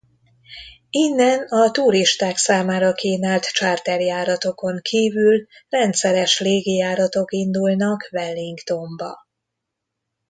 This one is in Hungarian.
Innen a turisták számára kínált charterjáratokon kívül rendszeres légi járatok indulnak Wellingtonba.